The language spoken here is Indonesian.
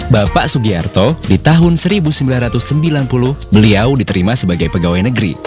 bapak sugiarto di tahun seribu sembilan ratus sembilan puluh beliau diterima sebagai pegawai negeri